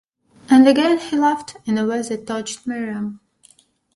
And again he laughed, in a way that tortured Miriam.